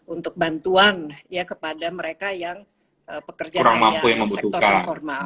untuk bantuan ya kepada mereka yang pekerjaannya sektor informal